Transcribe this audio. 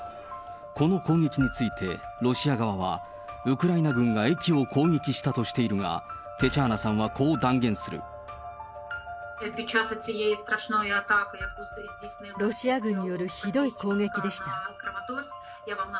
この攻撃について、ロシア側は、ウクライナ軍が駅を攻撃したとしているが、ロシア軍によるひどい攻撃でした。